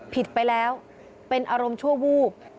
ผิดไปแล้วเป็นอารมณ์ชั่ววูบ